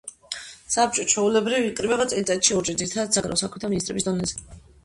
საბჭო ჩვეულებრივ იკრიბება წელიწადში ორჯერ ძირითადად საგარეო საქმეთა მინისტრების დონეზე.